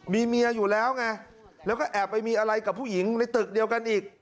มีเมียอยู่แล้วไงแล้วก็แอบไปมีอะไรกับผู้หญิงในตึกเดียวกันอีก